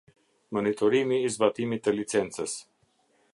Monitorimi i zbatimit të licencës.